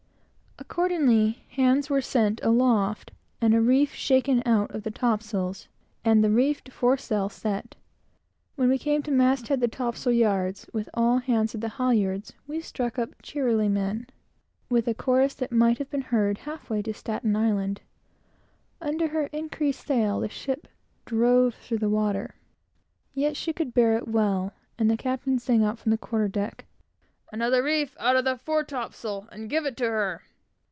Accordingly, hands were sent aloft, and a reef shaken out of the top sails, and the reefed foresail set. When we came to masthead the topsail yards, with all hands at the halyards, we struck up "Cheerily, men," with a chorus which might have been heard half way to Staten Land. Under her increased sail, the ship drove on through the water. Yet she could bear it well; and the captain sang out from the quarter deck "Another reef out of that fore topsail, and give it to her!"